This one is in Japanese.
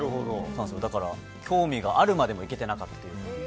だから、興味があるまでもいけてなかったというか。